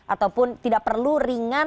ataupun tidak perlu ringan